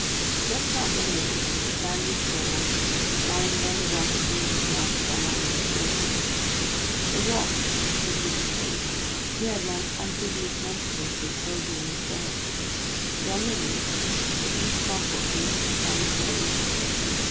Stretched out below them was the sandy shore, bounded on the right of the river's mouth by lines of breakers. The rocks which were visible appeared like amphibious monsters reposing in the surf. Beyond the reef, the sea sparkled beneath the sun's rays.